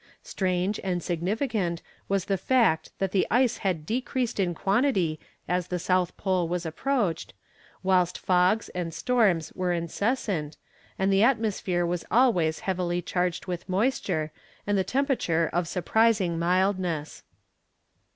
Strange and significant was the fact that the ice had decreased in quantity as the South Pole was approached, whilst fogs and storms were incessant, and the atmosphere was always heavily charged with moisture, and the temperature of surprising mildness.